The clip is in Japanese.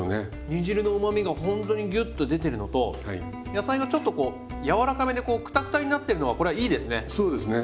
煮汁のうまみがほんとにギュッと出てるのと野菜がちょっとこう柔らかめでこうクタクタになってるのがこれはいいですね。